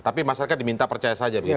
tapi masyarakat diminta percaya saja begitu